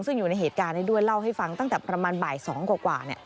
ซึ่งอยู่ในเหตุการณ์นี้ด้วยเล่าให้ฟังตั้งแต่ประมาณบ่าย๒กว่า